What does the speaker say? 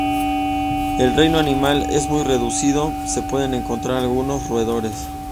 El reino animal es muy reducido, se pueden encontrar algunos roedores.